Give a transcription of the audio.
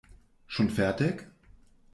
Schon fertig?